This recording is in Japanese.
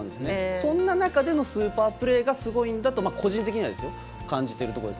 そんな中でのスーパープレーがすごいんだと個人的には感じてるんです。